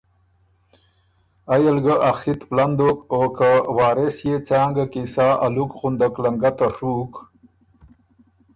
ائ ال ګه ا خِط پلن دوک او که وارث يې څانګه کی سا الُک غُندک لنګته ڒُوک۔